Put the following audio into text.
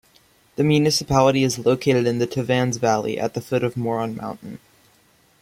The municipality is located in the Tavannes valley, at the foot of Moron mountain.